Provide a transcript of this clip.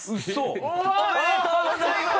おめでとうございます！